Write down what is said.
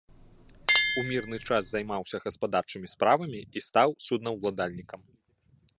У мірны час займаўся гаспадарчымі справамі і стаў суднаўладальнікам.